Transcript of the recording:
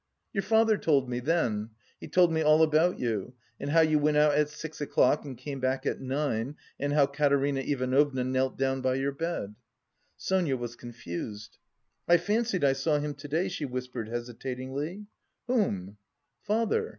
"Your father told me, then. He told me all about you.... And how you went out at six o'clock and came back at nine and how Katerina Ivanovna knelt down by your bed." Sonia was confused. "I fancied I saw him to day," she whispered hesitatingly. "Whom?" "Father.